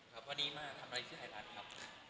ครับวันนี้มาทำอะไรชื่อไทยรัฐครับ